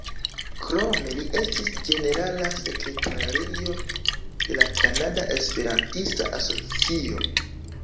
Krome, li estis ĝenerala sekretario de la Kanada Esperantista Asocio.